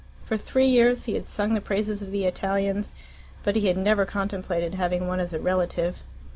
For three years he had sung the praises of the Italians, but he had never contemplated having one as a relative.